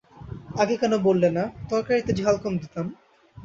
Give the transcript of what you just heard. আগে কেন বললে না, তরকারিতে ঝাল কম দিতাম?